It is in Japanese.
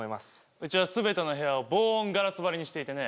うちは全ての部屋を防音ガラス張りにしていてね